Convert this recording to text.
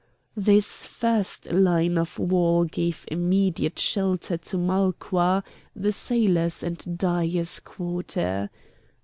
This first line of wall gave immediate shelter to Malqua, the sailors' and dyers' quarter.